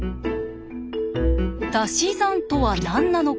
「たし算」とは何なのか？